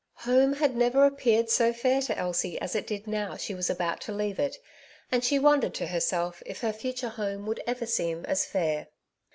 Home had never appeared so fair to Elsie as it did now she was about to leave it, and she wondered to herself if her future home would ever seem as fair.